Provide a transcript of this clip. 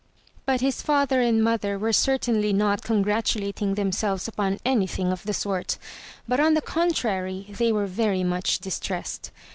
But his father and mother were certainly not congratulating themselves upon anything of the sort; but, on the contrary, they were very much distressed.